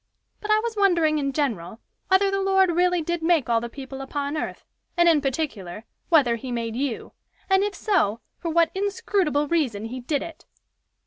But I was wondering in general, whether the Lord really did make all the people upon earth, and in particular, whether He made you, and if so, for what inscrutable reason He did it."